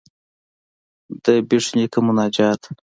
ددبېټ نيکه مناجات.